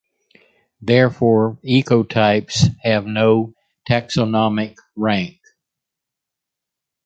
Therefore, ecotypes have no taxonomic rank.